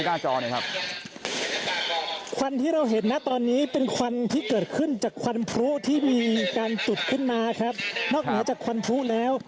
กลุ่มวนชนก็จะกระจายกันเข้ามาถึงพื้นที่นี้ครับคุณภาคกลุ่มครับ